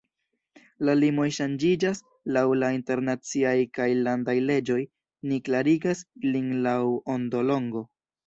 La limoj ŝanĝiĝas laŭ la internaciaj kaj landaj leĝoj, ni klarigas ilin laŭ ondolongo.